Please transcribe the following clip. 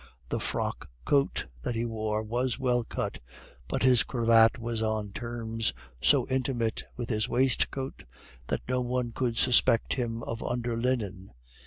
The frock coat that he wore was well cut, but his cravat was on terms so intimate with his waistcoat that no one could suspect him of underlinen.